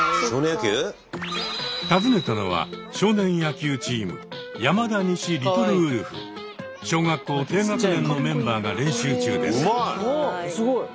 訪ねたのは少年野球チーム小学校低学年のメンバーが練習中です。